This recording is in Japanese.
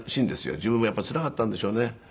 自分もやっぱりつらかったんでしょうね。